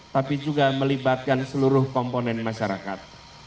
tapi juga melibatkan seluruh komponen masyarakat